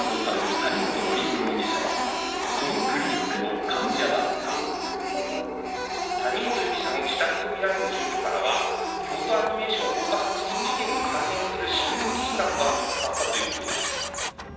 谷本容疑者の自宅とみられる住居からは京都アニメーション放火殺人事件に関する記事も見つかったということです。